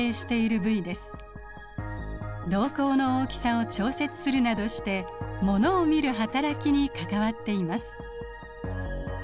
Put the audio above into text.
瞳孔の大きさを調節するなどしてものを見る働きに関わっています。